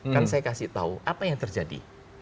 kan saya kasih tahu apa yang terjadi